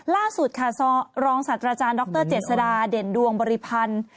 ล่าสุดค่ะรองศาสตราจารย์ดรเจษฎาเด่นดวงบริพันธ์